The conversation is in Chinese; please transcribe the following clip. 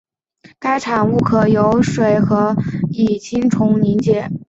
该产物可由水和乙腈重结晶。